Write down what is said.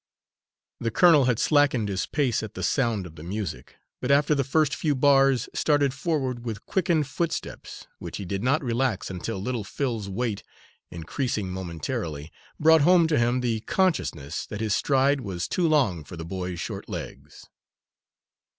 "_ The colonel had slackened his pace at the sound of the music, but, after the first few bars, started forward with quickened footsteps which he did not relax until little Phil's weight, increasing momentarily, brought home to him the consciousness that his stride was too long for the boy's short legs.